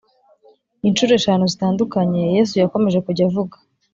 incuro eshanu zitandukanye Yesu yakomeje kujya avuga